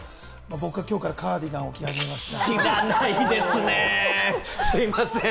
僕はきょうからカーディガンを着始めました。